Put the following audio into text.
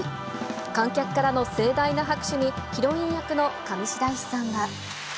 観客からの盛大な拍手にヒロイン役の上白石さんは。